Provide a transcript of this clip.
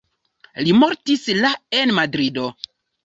Li mortis la en Madrido.